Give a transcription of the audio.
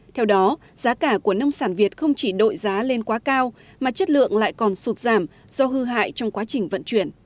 theo đó giá cả của nông sản việt không chỉ đội giá lên quá cao mà chất lượng lại còn sụt giảm do hư hại trong quá trình vận chuyển